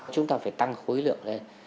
chúng ta phải tăng khối lượng lên